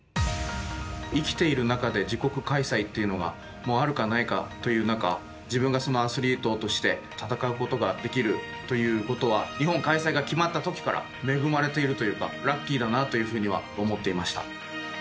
生きている中で自国開催というのがあるかないかという中自分がアスリートとして戦うことができるということは日本開催が決まったときから恵まれているというかラッキーだなと思いました。